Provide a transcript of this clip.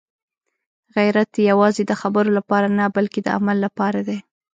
غیرت یوازې د خبرو لپاره نه، بلکې د عمل لپاره دی.